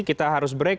kita harus break